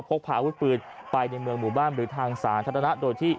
พกพาอาวุธปืนไปในเมืองหมู่บ้านหรือทางสาธารณะโดยที่